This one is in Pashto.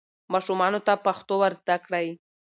ماشومانو ته پښتو ور زده کړئ.